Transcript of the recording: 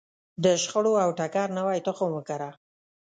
د شخړو او ټکر نوی تخم وکره.